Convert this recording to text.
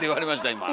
今。